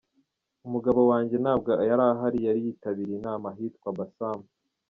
Umugabo wange ntabwo yari ahari yari yitabiriye inama ahitwa Bassam.